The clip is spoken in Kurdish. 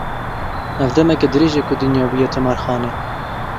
Ev demeke dirêj e ku dinya bûye timarxane.